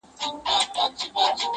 له سجدې پورته سي! تاته په قيام سي ربه!